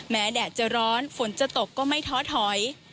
แดดจะร้อนฝนจะตกก็ไม่ท้อถอย